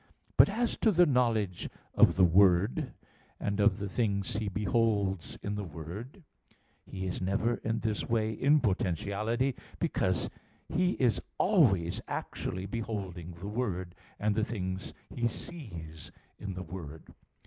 But as to the knowledge of the Word, and of the things he beholds in the Word, he is never in this way in potentiality; because he is always actually beholding the Word, and the things he sees in the Word.